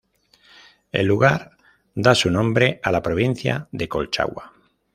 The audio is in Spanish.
El lugar da su nombre a la provincia de Colchagua.